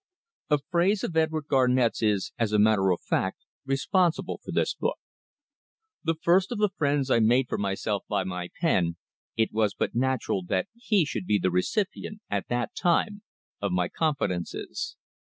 A phrase of Edward Garnett's is, as a matter of fact, responsible for this book. The first of the friends I made for myself by my pen it was but natural that he should be the recipient, at that time, of my confidences.